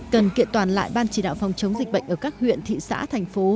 cần kiện toàn lại ban chỉ đạo phòng chống dịch bệnh ở các huyện thị xã thành phố